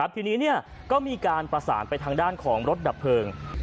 ทีนี้ก็มีการประสานไปทางด้านของรถดับเพลิง